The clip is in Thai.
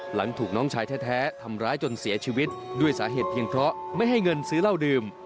หลังถูกน้องชายแท้ทำร้ายจนเสียชีวิตด้วยสาเหตุเพียงเพราะไม่ให้เงินซื้อเหล้าดื่ม